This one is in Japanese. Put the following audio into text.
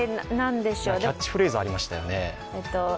キャッチフレーズがありましたよね。